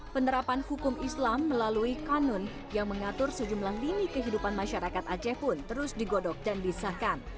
penerapan hukum islam melalui kanun yang mengatur sejumlah lini kehidupan masyarakat aceh pun terus digodok dan disahkan